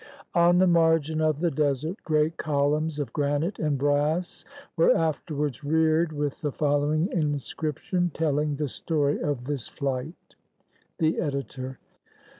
179 CHINA On the margin of the desert great columns of granite and brass were afterwards reared with the following inscription, telling the story of this flight. The Editor.